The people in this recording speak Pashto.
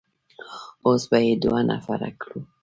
اوس به يې دوه نفره کړو.